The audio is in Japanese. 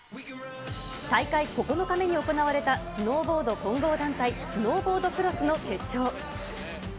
大会９日目に行われたスノーボード混合団体スノーボードクロスの決勝。